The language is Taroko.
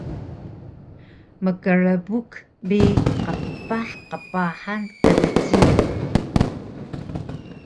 mkrbuk bi qmeepah qpahan kdjiyax